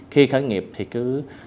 khi khởi nghiệp thì cứ